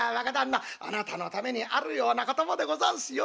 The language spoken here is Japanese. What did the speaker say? あなたのためにあるような言葉でござんすよ。